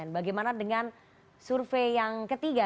bagaimana dengan survei yang ketiga